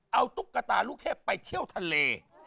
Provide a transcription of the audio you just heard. เอาตุ๊กตาลูกเทพไปเที่ยวทะเล